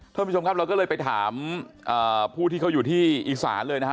ท่านผู้ชมครับเราก็เลยไปถามผู้ที่เขาอยู่ที่อีสานเลยนะครับ